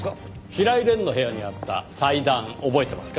平井蓮の部屋にあった祭壇覚えてますか？